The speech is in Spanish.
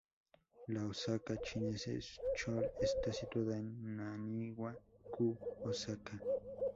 La Osaka Chinese School está situada en Naniwa-ku, Osaka.